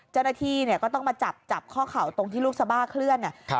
เจ้าหน้าที่เนี่ยก็ต้องมาจับจับข้อเข่าตรงที่ลูกสบ้าเคลื่อนเนี่ย